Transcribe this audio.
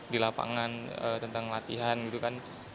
di lapangan tentang latihan gitu kan